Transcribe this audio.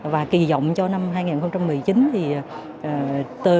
và kỳ vọng cho năm hai nghìn một mươi chín thì